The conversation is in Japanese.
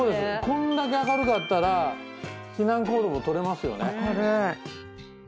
これだけ明るかったら避難行動も取れますよね。